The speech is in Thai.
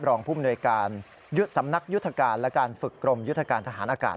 รองภูมิหน่วยการสำนักยุทธการและการฝึกกรมยุทธการทหารอากาศ